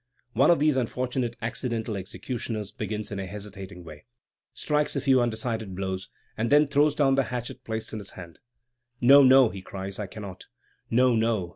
One of these unfortunate accidental executioners begins in a hesitating way, strikes a few undecided blows, and then throws down the hatchet placed in his hands. "No, no," he cries, "I cannot. No, no!